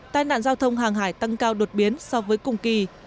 tai nạn giao thông hàng hải tăng cao đột biến so với cùng kỳ